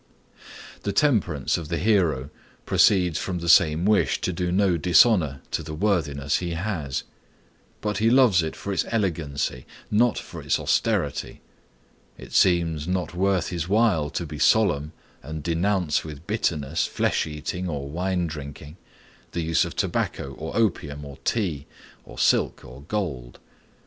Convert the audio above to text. The temperance of the hero proceeds from the same wish to do no dishonor to the worthiness he has. But he loves it for its elegancy, not for its austerity. It seems not worth his while to be solemn and denounce with bitterness flesh eating or wine drinking, the use of tobacco, or opium, or tea, or silk, or gold.